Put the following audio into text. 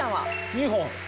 ２本。